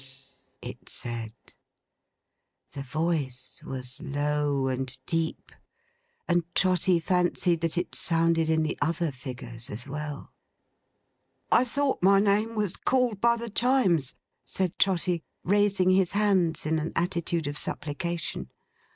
'What visitor is this!' it said. The voice was low and deep, and Trotty fancied that it sounded in the other figures as well. 'I thought my name was called by the Chimes!' said Trotty, raising his hands in an attitude of supplication.